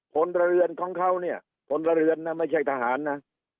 คนระเรือนของเขาเนี่ยคนระเรือนน่ะไม่ใช่ทหารน่ะ